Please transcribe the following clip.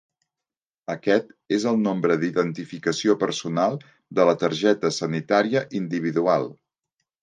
Aquest és el nombre d'identificació personal de la targeta sanitària individual.